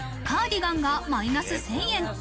カーディガンがマイナス１０００円。